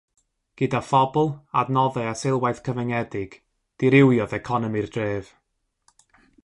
Gyda phobl, adnoddau a seilwaith cyfyngedig, dirywiodd economi'r dref.